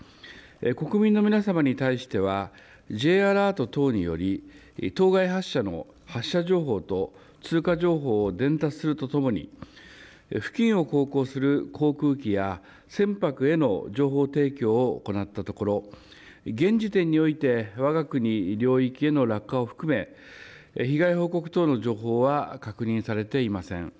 国民の皆様に対しては、Ｊアラート等により、とうがい発射の発射情報と通過情報を伝達するとともに、付近を航行する航空機や船舶への情報提供を行ったところ、現時点において、わが国領域への落下を含め、被害報告等の情報は確認されていません。